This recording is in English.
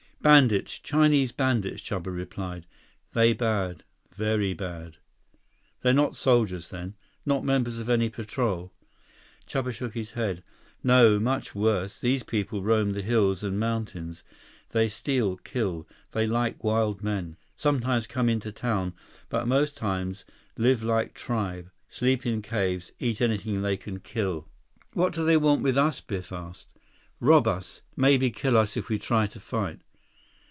"Bandits. Chinese bandits," Chuba replied. "They bad. Very bad." "They're not soldiers, then. Not members of any patrol?" Chuba shook his head. "No. Much worse. These people roam the hills and mountains. They steal, kill. They like wild men. Sometimes come into town, but most times, live like tribe, sleep in caves, eat anything they can kill." "What do they want with us?" Biff asked. "Rob us. Maybe kill us if we try to fight."